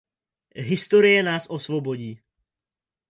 Historie nás osvobodí.